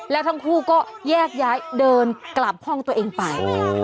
แล้วทั้งคู่ก็แยกย้ายเดินกลับห้องตัวเองไป